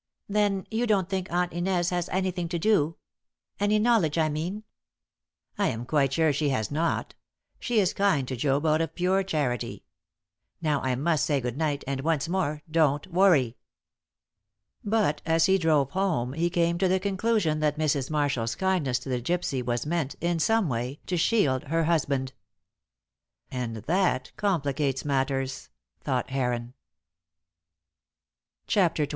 "Then you don't think Aunt Inez has anything to do any knowledge, I mean?" "I am quite sure she has not. She is kind to Job out of pure charity. Now I must say good night and, once more, don't worry." But as he drove home he came to the conclusion that Mrs. Marshall's kindness to the gypsy was meant, in some way, to shield her husband. "And that complicates matters," thought Heron. CHAPTER XXII.